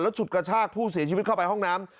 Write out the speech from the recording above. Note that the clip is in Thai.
ฉุดกระชากผู้เสียชีวิตเข้าไปห้องน้ำ